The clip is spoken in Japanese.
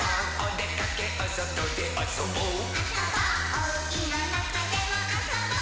「おうちのなかでもあそぼあそぼー！」